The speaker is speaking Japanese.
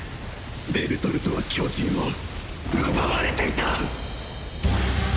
ベルトルトは巨人を奪われていた！！